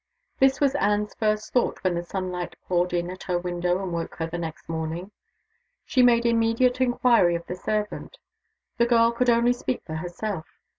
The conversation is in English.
This was Anne's first thought, when the sunlight poured in at her window, and woke her the next morning. She made immediate inquiry of the servant. The girl could only speak for herself.